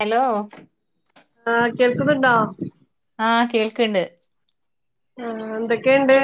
Hello ആ കേൾക്കുന്നുണ്ടോ? ആ കേൾക്ക്ണ്ട് ആ എന്തൊക്കെണ്ട്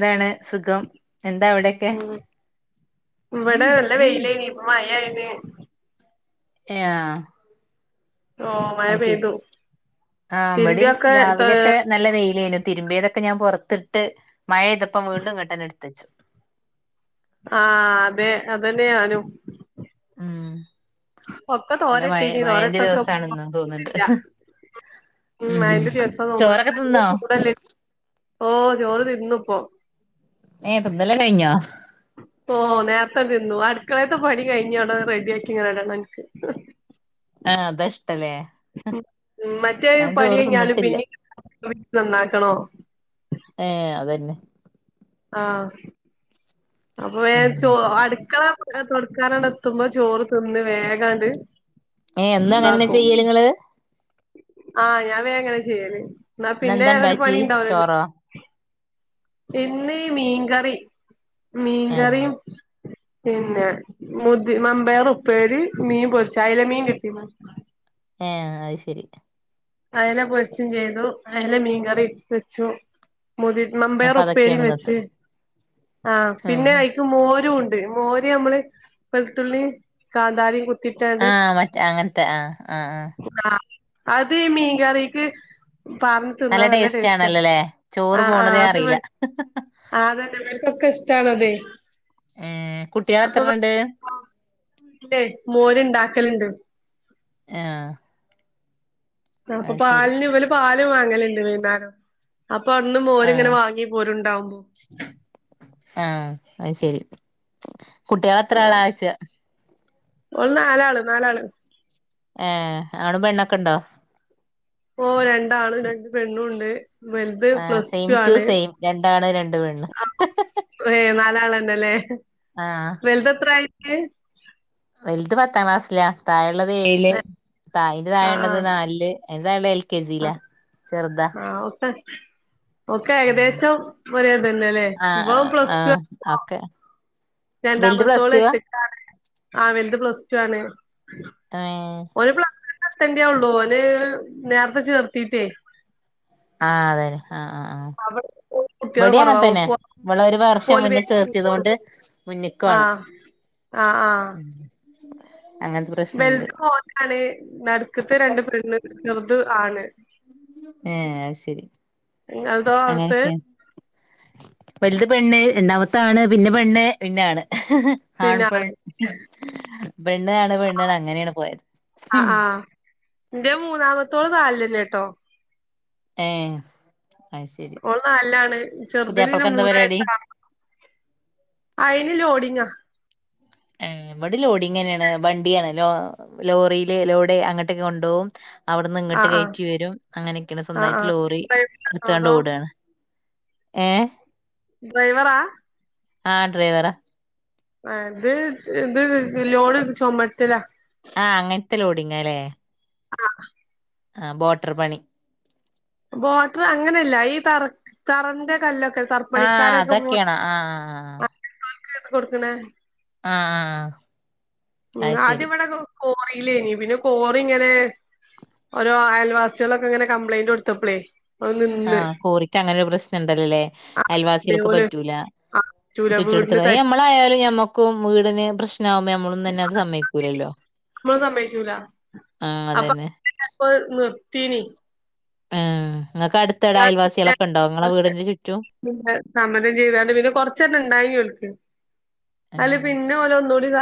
എന്താണ് സുഖം എന്താ എവിടെക്കെ ഉം ഇവിടെ നല്ല വെയിലേനി ഇപ്പ [unintelligible] ഏ ആഹ്‌ ഓഹ് മഴ അയ് ശരി പെയ്തു ആ ഇവിടെ തിരുമ്പിയൊക്കെ ത രാവിലെയൊക്കെ നല്ല വെയിലയ്നു തിരുമ്പേതൊക്കെ ഞാൻ പുറത്തിട്ട് മഴ ഇ്തപ്പം വീണ്ടും ഇങ്ങോട്ട്ന്നെ എടുത്ത വച്ചു ആ അതെ അതന്നെയ ഞാനും ഉം ഒക്കെ നല്ല മഴ തോരട്ടനി തോരട്ട മഴന്റെ ഒക്കെ ദിവസാണ്ന്ന് തോന്ന്ണ്ട് ഉം മയന്റദിവസ തോന്ന്ണ് ചോറൊക്കെ തിന്നോ [unintelligible] ചൂട് അ ഓ ചോറ് തിന്ന് പ്പം ഏ തിന്നലെന്നെ കഴിഞ്ഞോ ഓ നേരത്തതിന്നു അടുക്കളയത്തെ പണി കഴിഞ്ഞ അവിട റെഡി ആക്കി ഇങ്ങനെ ഇടണം എനിക്ക് ആ അതാഇ മറ്റേയ് പണി ചോറ് കഴിഞ്ഞാലും തിന്നിട്ടില്ല പിന്നെ നന്നാക്കണം ഏഹ് അതന്നെ ആഹ അപ്പോ വേ ഉം ചോ അടുക്കള ക്കാരടെ എത്തുമ്പോ ചോറ് തിന്ന് വേഗാണ്ട് ഏ എന്താ അങ്ങനന്നാ ഇതാക്കും ചെയ്യല് നിങ്ങള് ആഹ് ഞാൻ വേങ്ങനെ ചെയ്യല് എന്നാ പിന്നെ ഇന്നന്താ ഉണ്ടാക്കി ചോറോ ഇന്നീ മീന്കറി മീൻ ഏഹ് കറിയും പിന്നെ മുതി മമ്പേയർ ഉപ്പേരി മീൻ പൊരിച്ച അയല മീൻ കിട്ടീണു ഏഹ അത് ശരി അയലെ പൊരിച്ചും ചെയ്തു അയല മീൻകറി വെച്ചു മുതി മമ്പയർ അപ്പൊ അതൊക്കെയാണ് ഇന്നത്തെ ഉപ്പേരിംവെച്ച് ആ പിന്നെ ആഹ് അയ്ക്ക് മോരുംണ്ട് ണ്ട് മോര് നമ്മള് വെളുത്തുള്ളിം കാന്താരിം കുത്തി ആഹ മറ്റേ അങ്ങനത്തെ ആഹ് ആഹ് ആഹ ആഹ് അത് അത് മീൻകറീക്ക് നല്ല ടേസ്റ്റ് ആണല്ലോല്ലേ ചോറ് ആഹ് ആഹ് പോണതേ അറിയില്ല ക്കൊക്കെ ഇഷ്ടണാതെ ഏഹ് കുട്ട്യാളത്രണണ്ട് ണ്ടേ മോര് ഉണ്ടാക്കല്ണ്ട് ആഹ ആ അപ്പൊ പാലിന് ഇവർ പാൽ ത്‌ വാങ്ങല്ണ്ട് വൈന്നേരം അപ്പൊ അന്നും മോരിങ്ങനെ ആഹ് വാങ്ങി പോരുണ്ടാവുമ്പോ [inaudible] ആഹ് അത് ശരി [inaudible] കുട്ടികൾ എത്രാളായ്ച്ചാ ഓൽ നാലാള് നാലാള് ഏ ആണും പെണ്ണൊക്കെ ഇണ്ടോ ഓ രണ്ടാണ് രണ്ട് പെണ്ണുംണ്ട് ആഹ സെയിം ടു സെയിം രണ്ടാണ് രണ്ട് പെണ് രണ്ടാള്ണ്ട്ല്ലേ വെൽതത്രായി ഏ വലുത് പത്താം ക്ലാസില താഴെ ള്ളത് ഏഴില് ആഹ് താ അതിന്റെ താഴെളളത് ആഹ് നാലില് അതിന്റെ താഴെ എൽ കെ ജി ലാ ആഹ് ചെറ്താ ആഹ് ഓക്കെ ഒക്കെ ഏകദേശം ഒരേത ന്നെല്ലേ ഇവൻ ആഹ് പ്ലസ് ആഹ് ഒക്കെ വലുത് രണ്ടാമ പ്ലസ് തോള് ടു എ വാ ട്ട്ക്കാണ് ആ വെൽത് പ്ലസ് ടു ആണ് ഏഹ് ഒരുപ്ല എത്തണ്ടൊ ഉള്ളൂ ഓല് നേരത്തെ ചേർത്തിട്ടേ ആഹ് അതെെ ആഹ് ആ ആ അവിടെ കുട്ടികള് വെടി കുറവാ അങ്ങനത്തന്നെ ഓപ്പോ വളെ ഒരു വർഷം ഓല് മുന്നിൽ വേഗം ചേർത്തിയത് ചേർത്തും കൊണ്ട് മുന്നിക്കുവാണ് ആഹ് ആഹ് ആഹ് ഉം വെലുത്ത് മോനാണ് നടുക്കത്തെ രണ്ട് പെണ്ണ് ചെറുത് ആണ് ഏഹ് അത് ശരി എതോ ർത്ത് അങ്ങനെയൊക്കെയാ വലുത് പെണ്ണ് രണ്ടാമത്താണ് പിന്നെ പെണ്ണ് പിന്നാണ് ആണ് പെ ആ ആ എന്റെ മൂന്നാമത്തോള് നാല് ല്ല കേട്ടോ ഏ ഓ നൽലാണ് ചെറുതിന് പിന്നെ പുതിയാപ്പൾക്ക് എന്താ മൂന്ന് വയസ പരിപാടി അയിന് ലോടിങ്ങാ ഇവിടെ ലോഡിങ്ങ്ങനെയാണ് വണ്ടിയാണ് ലോ ലോറിയില് ലോഡ് അങ്ങോട്ടൊക്കെ കൊണ്ടുപോകും അവിടുന്ന് ഇങ്ങോട്ട് ആഹ് ആഹ് കയറ്റി വരും അങ്ങനെയൊക്കെയാണ് ആഹ് സ്വന്തമായിട്ട് ആഹ് ലോറി ഇട് ഡ്രൈവറാണോ ത്താണ്ട് അതോ ഓടുകയാണ് ഏഹ് ഡ്രൈവറാ ആ ഡ്രൈവറാ ആ ഇത് ഇത് ലോട് ചൊമറ്റലാ ആ അങ്ങൻത്തെ ലോടിങ്ങാല്ലേ ആ ആ ബോട്ടർ പണി ബോട്ടർ അങ്ങനെല്ല ഈ തറക് തറന്റെ കല്ലെറക് ആ അതൊക്കേണൊ ആ ഏത് കൊട്ക്ക്ണേ ആ ആ ആ മ്മ് ആദ്യംവടെ കോ കോറീലേനി പിന്നെ കോറി ഇങ്ങനെ ഓരോ അയൽവാസികളൊക്കെ ഇങ്ങനെ കംപ്ലൈയിന്റൊട്ത്തപ്പളേ ആ കോറിക്കങ്ങനൊര് പ്രശ്നംണ്ടല്ലൊല്ലേ ആഹ് അയൽവാസികൾക്ക് അതേപോലെ പറ്റൂല ആഹ് പറ്റൂല വീടിന് ചുറ്റെടുത്തിള്ള അത് തരും ഞമ്മളായാലും ഞമ്മക്കും വീടിന് പ്രശ് നാവുമ്പം എമ്മളും തന്നെ അത് സമ്മയിക്കൂലല്ലോ നമ്മള് സമ്മയിച്ചൂല ആ അപ്പൊ അതെന്നെ അപ്പൊ നിർത്തീനി അയൽവാസികളൊക്കെ ഉണ്ടോ ഇങ്ങളെ വീടിന്റെ ചുറ്റും പിന്നെ സമ്മതം ചെയ്താണ്ട് പിന്നെ കൊറച്ചെറ്റം ഇണ്ടായീനി ഓൽക് അതില് ആഹ് പിന്നെ ഓല ഒന്നുകൂടി ഇത്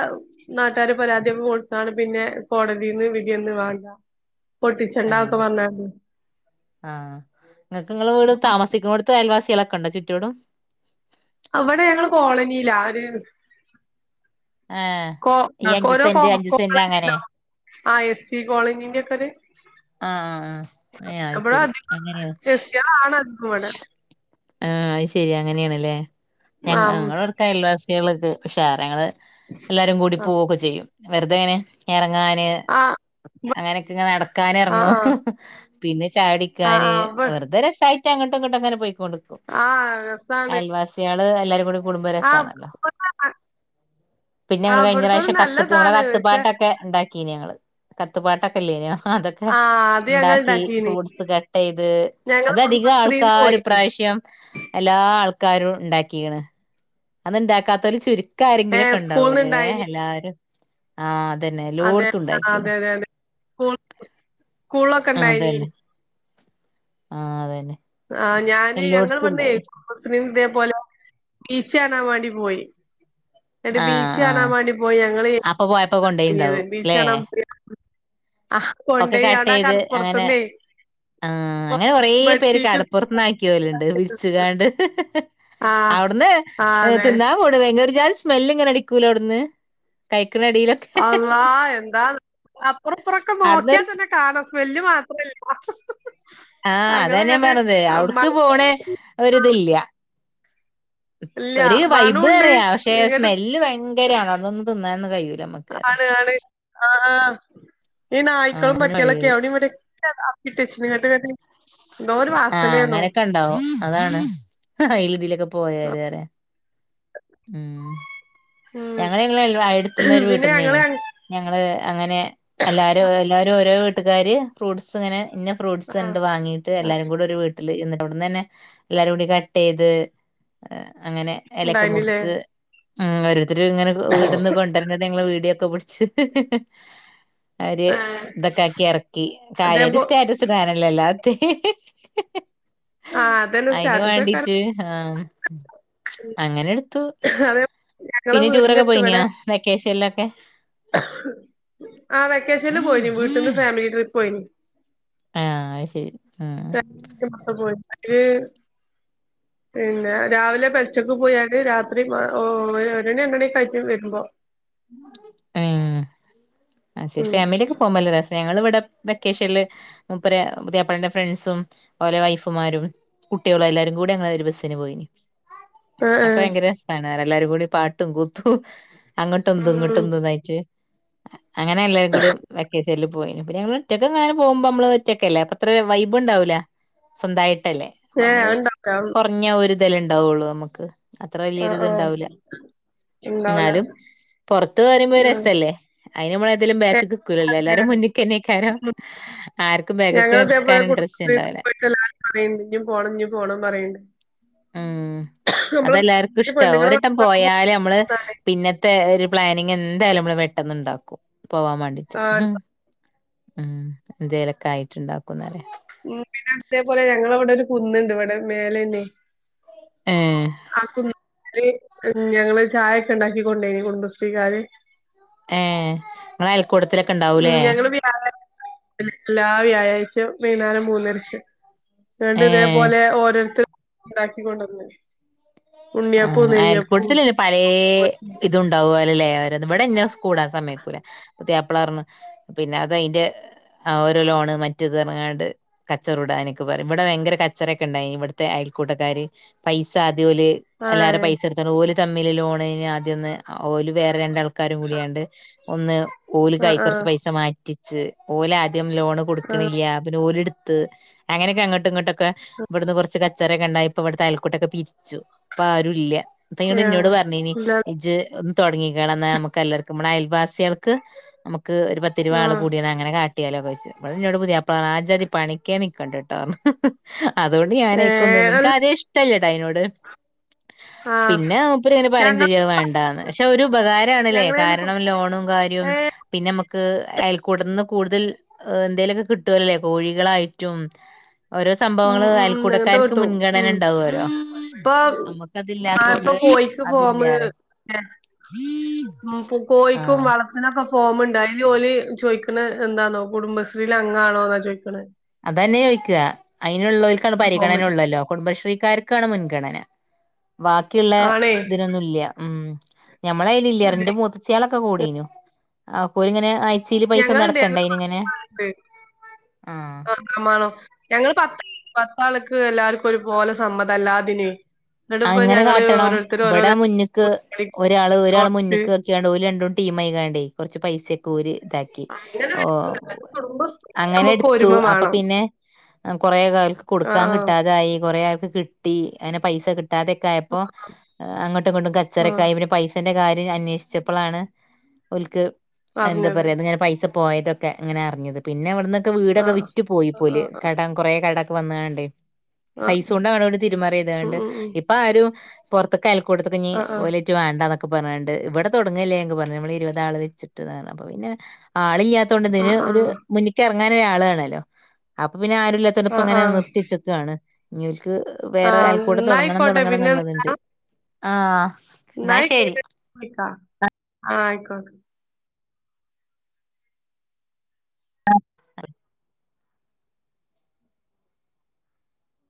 നാട്ടാര് പരാതിയൊകെ കൊട്ത്താണ് പിന്നെ കോടതന്ന് വിധിയെന്ന് വാണ്ടാ പൊട്ടിച്ചണ്ടാ ആഹ് ഒക്കെ വഞ്ഞാണ്ട് നിങ്ങക് ഇങ്ങളെ വീട് താമസിക്കണോ അവിടുത്ത അയൽവാസികളൊക്കെ ഉണ്ടോ ചുറ്റോടും ആവടെ ഞങ്ങള് കോളനിയിലാ അര് ഏഹ് കോ ഈ അഞ്ച് ഓരോ കോ സെന്റ് അഞ്ച് സെന്റ് കോളനി അങ്ങനെ എസ് റ്റി കോളനിന്റെ കൊര് [inaudible] ആ ഏ അത് ശരി അധികം അങ്ങനെയാ എസ് ടിയേളാണ് അധികം ഇവടെ ആ അത് ശെരി അങ്ങനെയാണല്ലേ ഞങ് ആ ആഹ് ഞങ്ങളെവടാകയൽവാസി കുട്ടികൾക്ക് പക്ഷേ അവരെ ഞങ്ങൾ എല്ലാരും കൂടി പോവൊക്കെ ചെയ്യും വെറുതെങ്ങനെ ഞാന് ഉം അങ്ങനെയൊക്കെ ഒക്കെ അന്ന് ആഹ് നടക്കാനെറങ്ങും ആഹ് പിന്നെ ആഹ് ആഹ് ആഹ് ചായുടിക്കാന് ആഹ് ഇബ വെറുതെ രസായിട്ട് അങ്ങട്ടോ ഇങ്ങട്ടോകെങ്ങനെ പോയിക്കോളും ആഹ് രസാണ് അയൽവാസ്യാള് എല്ലാരും കൂടി ആഹ് കുടുംബരസിണല്ലോ പിന്നെ ഞങ്ങള് ആഹ് കഴിഞ്ഞ ഇബട്ത്തോല് പ്രാവശ്യം കത്ത് ഞമ്മളെ നല്ലതാണ് പക്ഷെ കത്ത്പ്പാട്ടൊക്കെ ഇണ്ടാക്കീനി ഞങ്ങള് കത്തുപ്പാട്ടെ കെല്ലേനോ അതൊക്കെ ആഹ് അത് ഞങ്ങൾ ഇണ്ടാക്കി ഇണ്ടാക്കീനി ഫ്രൂട്ട്സ് കട്ടെയ്ത് ഞങ്ങള് കുടുംബശ്രീന്ന് അതധികാൾക്കാരും പോയിനി ഇപ്രാവശ്യം എല്ലാ ആൾക്കാരും ഉണ്ടാക്കിയണ് അത്ണ്ടാക്കാത്തര് ചുരുക്കം ഏഹ് ആരെങ്കിലുമൊക്കെ സ്കൂൾന്ന് ഉണ്ടാവുലേ ഇണ്ടായിനി എല്ലാരും ആ അതെ അതെതെ അതെ സ്കു സ്കൂളൊക്കെ ഇണ്ടായിനി ആ അതെന്നെ ആ ഞാന് ഞങ്ങള്ൾ ഇവിടന്ന് കുടുംബശ്രീ ബോല ബീച്ച കണാൻ വേണ്ടി പോയി എന്നട്ട് ആഹ് ബീച്ച് കാണാൻ ആഹ് വേണ്ടി പോയി ഞങ്ങള്നത് അപ്പൊ പോയപ്പോ കൊണ്ടോയിണ്ടാവും ബീച്ച് ല്ലേ കാണാൻ പോയി ആഹ് ഒക്കെ കൊണ്ടോയി കട്ട് അവിടെ ചെയ്ത് അങ്ങനെ കടപ്പുറത്ത്ന്നേ ആ അങ്ങനെ കൊറേ പേര് ബെഡ്ഷീറ്റും കടപ്പുറത്തന്നാക്കി പോലുണ്ട് വിരിച്ച്കാണ്ട് ആഹ് അവിടുന്ന് ആഹ് അതെ തിന്നാൻ കൂടു ജാ സ്മെല് ഇങ്ങനെ അടിക്കൂല അവിടുന്ന് ക അള്ളാ എന്താ അ പ്പുറ ഇപ്പുറൊക്കെ നോക്കിയാൽ അവിടുന്നൊരു തന്നെ കാണാം സ്മെല്ല് മാത്രല്ല ആ ആഹ് അത ഞാൻ പറഞ്ഞത് മണ അവിടക്ക് പോണ ഒരിതില്ല. ഇല്ല ഒരു വൈബ് മണുണ്ട് അറിയ പക്ഷെ ഇങ്ങട്ട് സ്മെല്ല് ഭയങ്കരാണ് അതൊന്ന് നന്ന് കയൂ ആണ് ആണ് ആ ആ ഈ ആഹ് നായ്ക്കളും ഒന്നിനും പട്ടികളൊക്കെ കഴിയൂല അവിടെ ഇവിടൊക്കെ അപ്പിട്ട് വെച്ചിട്ട് എന്നിട്ടിങ്ങട്ട് ആഹ് അങ്ങനൊക്കെ ഉണ്ടാവും അതാണ് അയിലുമിതിയിലൊക്കെ പോയാൽല്ലേ ഉം ഉം ഞങ്ങളിളെ അടുത്തുന്നര് പിന്നെ വീട്ടിന്നെ ഞങ്ങള് ഞങ്ങ- ഞങ്ങള് അങ്ങനെ എല്ലാരും എല്ലാരും ഓരോ വീ പട്ടുകാർ ഫ്രൂട്ട്സ് ഇങ്ങനെ പിന്നെ ഫ്രൂട്ടസ് ആ കണ്ട് വാങ്ങീട്ട് ആ, എല്ലാരും കൂടെ ഒരു വീട്ട എന്നിട്ടവിടുന്ന് തന്നെ എല്ലാരും കൂടി കട്ട് ചെയ്ത് അങ്ങനെ ഇലക്കെ ഉണ്ടായിനില്ലേ മുറിച്ച് ഉം ഒരു ഇ ഇങ്ങനെ വീട്ന്ന് കൊണ്ടുവരണത് യൊക്ക പിടിച്ചു അവര് ആ ഇതൊക്കെ ആക്കി ഇറക്കി കാര്യ അതേപോ സ്റ്റാറ്റസ്ടാനല്ലോ എല്ലാത്ത ആ അതന്നെ അയിന് സ്റ്റാറ്റസ് വെക്കാന് വേണ്ടീച്ച് ആ ഉം അങ്ങനെ എടുത്തു. അതേ ഞങ്ങളെ പിന്നെ ടൂറൊക്കെ പോയിനാ വെക്കേ ഷൻലൊക്കെ? ആ വെക്കേഷനിൽ പോയിന് വീട്ടീന്ന് ഫാമിലി ട്രി പോയിനു. ആ അയ്ശരി രണ്ട് മൊത്ത പോയി അര് പിന്നെ രാവിലെ പെൽച്ചക്ക് പോയാല് രാത്രി പ ഓ ഒരുമണി രണ്ട് മണി ആയിറ്റ് വരുമ്പോ. ഉം ആ ശരി ഉം ഫാമിലിയൊക്കെ പോകുമ്പോ നല്ല രസ ഞങ്ങള് ഇവിടെ വെക്കേഷനില് മൂപ്പര് പുതിയാപ്പളന്റെ ഫ്രണ്ട്സും ഓരെ വൈഫുമാരും കുട്ടികളും എല്ലാരും കൂടി ഞങ്ങള് ഒരു ബസ്സിന് പോയിനി. അഒക്കെ ആഹ് ഭയങ്കരെ രസാണ് ഞങ്ങളെല്ലാരും കൂടി പാട്ടും കൂത്തും അ ട്ട്ന്ത് ആഹ് ഉം ഇങ്ങട്ടെന്ത്ന്നായ്ച്ചെ അങ്ങനെ എല്ലാരും കൂട്യും വെക്കേഷ് ല് പോയിനു പിന്നെ ഞങ്ങളൊറ്റക്ക്ങ്ങാനും പോവുമ്പമ്മള് ഒറ്റക്കല്ലേ അപ്പൊ ത്രെ വൈബ്ണ്ടാവൂല സ്വന്തായി ട്ടല്ലേ ഏഹ് അപ്പമ്മള് അത്ണ്ടാവൂല കാെറഞ്ഞ ഒര്തല്ലെണ്ടാവാെള്ളൂ അമ് ക്ക് അത്ര ആഹ് ആഹ് വല്യൊരിത്ണ്ടാവുല ഉണ്ടാവൂല ന്നാലും പൊറത്ത് വരുമ്പോ ഒരു ഉം രസല്ലേ അയിന് നമ്മള് ഇതിലും ബാക്കക്ക് നിക്കൂലല്ല എല്ലാരും മുന്നിക്കന്നെനിക്കാനാ ആർക്കും ബാക്കക്ക്‌ ഞങ്ങള് ഇതേപോലെ ഇക്കാൻ ഇൻട്രസ്റ്റ് കുടുംബശ്രീക്ക് ഇണ്ടാവില്ല പോയിട്ട് എല്ലാരും പറയ്ണ്ട് ഇഞ്ഞും പോണം ഇഞ്ഞും പോണം പറയ്ണ്ട് ഉം നമ്മള് അതെല്ലാർക്കും ഇഷ്ടാവും പെണ്ണുങ്ങള് ഒരെട്ടം മാത്രം പോയാല് നമ്മള് പിന്നത്തെ- എ ഒരു പ്ലാനിങ് എന്തായാലും നമ്മള് പെട്ടെന്ന് ഉണ്ടാക്കും പോവാ മേണ്ടിട്ട് ആഹ് ഉം എന്തേലൊക്കെ ആയിട്ടുണ്ടാക്കുന്നറിയാം ഉം പിന്നെ അതേപോലെ ഞങ്ങളെ ഇവിടൊരു കുന്നുണ്ട് ഇവിടെ മേലന്നെ ഏഹ് ആ കുന്നുമേല് ഉം ഞങ്ങള് ചായൊക്കെ ഉണ്ടാക്കിക്കൊണ്ട് പോയി കുടുംബശ്രീക്കാര് ഏ മ്മള് അയ കൂടത്തിലൊക്കെ ഉം ഉണ്ടാവൂലേ ഞങ്ങള് വ്യാഴാ എല്ലാ വ്യാഴാഴ്ചയും വൈക്ന്നേരം മൂന്നരക്ക് അതോണ്ട് ഏഹ് ഇതേപോലെ ഓരോത്തര് ഒണ്ടാക്കിക്കൊണ്ട് വന്നയാ ആ അയൽക്കൂട്ടത്തിെലല്ലിയോ പഴേ ഇത്ണ്ടാവു വിലയാ ഇവരത് ഇവിടെ ഇന്നെ [unintelligible] ഇടാൻ സമ്മയിക്കൂല പുതിയാപ്പളർഞ്ഞ് പിന്നെ അത് അയിന്റെ ഓരോ ലോണ് മറ്റത് പറഞ്ഞ്ങ്ങാണ്ട് കച്ചറ കൂടാന് ക്കെ പറയും ഇവിടെ ഭയങ്കര കച്ചറൊക്കെ ഇണ്ടായിന് ഇവിടത്തെ അയൽക്കൂട്ടക്കാര് പൈസ ആദ്യം ഓല് എല്ലാരെ ആഹ് പൈസടുത്താണ് ഓല് തമ്മില് ലോണിന് ആദ്യം ഒന്ന് ഓല് വേറെ രണ്ടാള് ആൾക്കാരും കൂടിയാണ്ട് ഒന്ന് ഓല്ക്കായി ആഹ് കൊറച്ച് ആഹ് പൈസ മാറ്റി ച്ച് ഓലാ ദ്യം ലോണ് ആഹ് കൊടുക്കണില്ല്യ പിന്നെ ഒരിടത് ത് അങ്ങനെക്കെ അങ്ങട്ട് ഇങ്ങോട്ടൊ ഒക്കെ ഇവിടുന്ന് കൊറച്ച് കഞ് അച്ചാരരെ കണ്ടായി ഇപ്പവിടെത്തെ അയൽക്കൂട്ടൊക്കെ പിരിച്ചു ഇപ്പ ആരൂല്ല്യ അപ്പൊ [unintelligible] എന്നോട് പറഞ്ഞേനി ആഹ് എല്ലാ ഇജ് ഉം തുടങ്ങികള ന്ന നമ്മക്ക് എല്ലാർക്കുംഅമ്മളെ അയൽവാസികൾക്ക് നമു ക്ക് ഒരു പത്ത് രൂപ ആള് ആഹ് കൂടിയലഅങ്ങെനെ കാട്ടിയാലോക് ഇബട എന്നോടാ പുതിയാപ്ല ആ ജാതി പണിക്കേ നിക്കണ്ടണ്ടിട്ടോ ഹി ഹി ഹി അതുകൊണ്ട് ഞാനെ അയക്കുന്നത് ഏഹ് അൽ എനിക്കാദ്യേ ഇഷ്ടല്ല ഐനോട് ആഹ് പിന്നെ മൂപ്പർ ഇങ്ങനെ പറയും ഞങ്ങ ചെയ്യും വേണ്ടാന്ന് പക്ഷെ ഒരു ഉപകാരണല്ലേ ഞങ്ങളേലിപ്പം കാരണം ലോണും കാര്യവും ഏഹ് പിന്നെ നമ്മുക്ക് അയൽക്കൂട്ടന്ന് കൂടുതൽ എന്തേലൊക്കെ കിട്ടുവല്ലേ കോഴികളായിറ്റും ഓരോ ഉം സംഭവങ്ങള് ഉം ഉം അങ്ങനത്തെ അയൽക്കൂട്ടക്കാർക്ക് കിട്ടും മുൻഗണന എണ്ടാവരോ ആ ഇപ്പൊ കോഴിക്ക് ഫോമ് അതില്ലാറയാ പു കോഴിക്കും ആഹ് വളത്തിനൊക്കെ ഫോമിണ്ടായി ഇതിജോലി ചോദിക്കണ എന്താന്നൊ കുടുംബശ്രീൽ അംഗാണോന്നാ ചോയിക്കെണ അതന്നെ ചോയിക്ക അതിനുള്ളവർക്കാണ് ഫോമിൽ പരിഗണനുള്ളല്ലോ കുടുംബശ്രീ ക്കാർക്കാണ് മുൻഗണന ബാക്കിയുള്ള ആണേ ഇതിനൊന്നും ഇല്ല്യ ഉം ഞമ്മള അയല ഇല്ല ഇന്റെ മൂത്തച്ചിയളൊക്കെ കൂടീനു ആ കോരിങ്ങനെ ആ ച്ചീൽ പൈസ ഒന്നു ഞങ്ങളുണ്ട് അടക്കണ്ടെ ഞങ്ങള് അയിനിങ്ങനെ ആ മാണോ ഞങ്ങ പത്ത് പത്താള്ക്ക് എല്ലാർക്കും ഒരുപോലെ സമ്മതം അല്ലാതിന് അ ഇങ്ങനെ കാട്ടണം ഇവിടെ മുന്നക്ക് കൊടുത്ത് ഒരാള് ഒരാൾ മുന്നക്ക് വക്കണ്ട് ഒരു രണ്ടൂ ടീം [unintelligible] കുറച്ച് പൈസ പോര് ഇതാക്കി അങ്ങനെ ഓ കുടുംബ അങ്ങനെ നമുക്ക് എടുത്തു ഒരുമ അപ്പൊ വേണം പിന്നെ കൊറേ കാര്ക്ക് കൊടുക്കാൻ ആഹ് കിട്ടാതായി കൊറെ [unintelligible] കിട്ടി അങ്ങനെപൈസ കി കിട്ടാതെക്കെ ആയപ്പോ അങ്ങോട്ടുഇങ്ങോട്ടും ആഹ് ആഹ് കച്ചറക്കയായി പിന്നെ പൈസന്റെ കാര്യ അന്വേഷിച്ചപ്പളാണ് ഓൾക് എന്താ അറിഞ്ഞത് പറയാ അതിങ്ങനെ പൈസ പോയതൊക്കെ അങ്ങനെ അറിഞ്ഞത് പിന്നെ ഇവിടുന്ന് വീടൊക്കെ ആഹ് വിറ്റു പോയി പോല് ആഹ് ആഹ് കടം കൊറേ കട ഇപ്പവന്നാണ്ടേ ആഹ് പൈസ കൊണ്ടവിടെവിടെ തിരുമറിയ ഉം താണ്ട് ഉം ഉം ഇപ്പ ആരും പുറ ഒക്കെ അൽൂടുത്ത കിഞ് ആഹ് ആഹ് ഓലറ്റ് വണ്ടെ [inaudible] പറഞ്ഞണ്ട് ഇവിടെ തുടങ്ങല്ലേ എന്ന് പറഞ്ഞ നമ്മൾ ഇരുപത് ആള് വെച്ചിട്ട്ണ് അപ്പൊ പിന്നെ ആള് ഇ്യാത്തൊണ്ട് ഇന് ആഹ് ഒരു ആഹ് മുന്നിക്കറ അങ്ങനൊരാളാണല്ലോ പിന്നെ ആരുല്ലതൊണ്ട്തണുപ ആഹ് അങ്ങനെ ആഹ് നിർത്തിച്ചെക്കുകയാണ് നി [inaudible] വേറെ ആയൽകൂട്ടം തുടങ്ങ പോട്ട പിന്നെ എന്താ ആഹ എന്നാ ആയിക്കോട്ടെ വിളിക്കാംആയിക്കോട്ടേ ആ ആഹ [inaudible]